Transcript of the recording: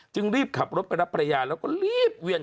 รีบขับรถไปรับภรรยาแล้วก็รีบเวียน